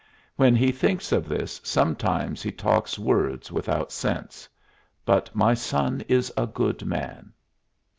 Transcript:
When he thinks of this sometimes he talks words without sense. But my son is a good man."